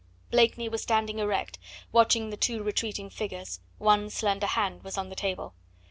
Blakeney was standing erect, watching the two retreating figures one slender hand was on the table.